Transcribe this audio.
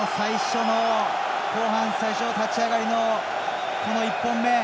後半最初の立ち上がりの１本目。